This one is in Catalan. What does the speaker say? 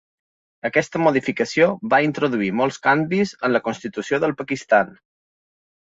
Aquesta modificació va introduir molts canvis en la constitució del Pakistan.